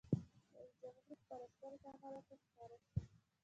رئیس جمهور خپلو عسکرو ته امر وکړ؛ خپاره شئ!